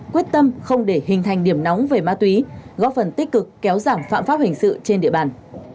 quyết tâm không để hình thành điểm nóng về ma túy góp phần tích cực kéo giảm phạm pháp hình sự trên địa bàn